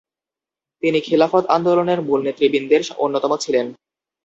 তিনি খিলাফত আন্দোলনের মূল নেতৃবৃন্দের অন্যতম ছিলেন।